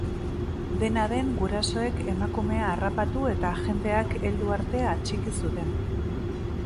Dena den, gurasoek emakumea harrapatu eta agenteak heldu arte atxiki zuten.